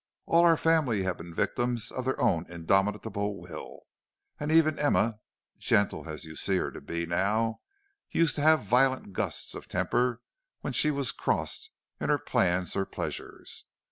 All our family have been victims of their own indomitable will, and even Emma, gentle as you see her to be now, used to have violent gusts of temper when she was crossed in her plans or pleasures.